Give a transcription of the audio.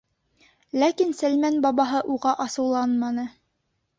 Ләкин Сәлмән бабаһы уға асыуланманы.